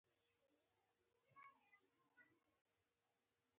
هم دا داغ لۀ دې جهانه د صنم وړم